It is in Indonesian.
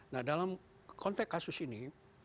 nah dalam konteks kasus ini